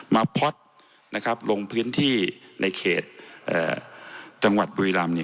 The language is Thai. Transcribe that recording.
มาพล็อตลงพื้นที่ในเขตจังหวัดปุรีรัมน์นี้